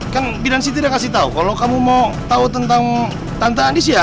kan bidan siti udah kasih tau kalau kamu mau tau tentang tante andisya